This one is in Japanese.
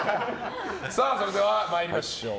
それでは参りましょう。